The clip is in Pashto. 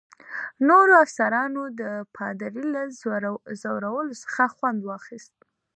نورو افسرانو د پادري له ځورولو څخه خوند اخیست.